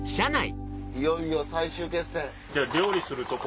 いよいよ最終決戦。